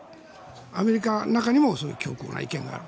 アメリカの中にもそういう強硬な意見がある。